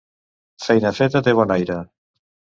Feina feta té bon aire.